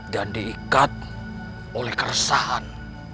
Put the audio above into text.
dan diikat oleh keresahan